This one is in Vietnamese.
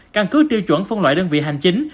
căn cứ tiêu chuẩn phân loại đơn vị hành chính